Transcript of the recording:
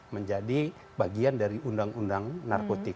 menjadi bagian dari undang undang narkotik